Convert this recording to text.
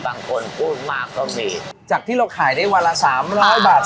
บางคนพูดมากก็มีจากที่เราขายได้วันละสามร้อยบาท